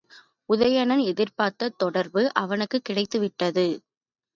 உதயணன் எதிர்பார்த்த தொடர்பு அவனுக்குக் கிடைத்துவிட்டது.